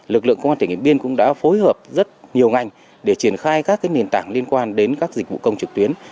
lực lượng công an tỉnh điện biên cũng đã phối hợp rất nhiều ngành để triển khai các nền tảng liên quan đến các dịch vụ công trực tuyến